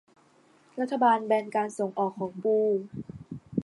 รัฐบาลแบนการส่งออกของปู